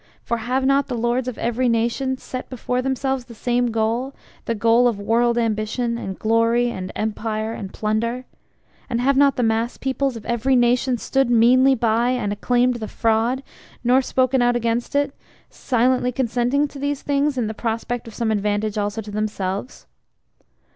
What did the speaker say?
For have not the lords of every nation set before themselves the same goal, the goal of world ambition and glory and 'empire' and plunder? And have not the mass peoples of every nation stood meanly by and acclaimed the fraud, nor spoken out against it, silently consenting to these things in the prospect of some advantage also to themselves?